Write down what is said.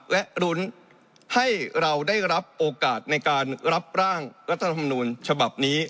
และรุ้นให้เราได้รับโอกาสในการรับร่างรัฐธรรมนูญฉบับนี้